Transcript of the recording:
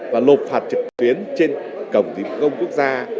và nộp phạt trực tuyến trên cổng dịch vụ công quốc gia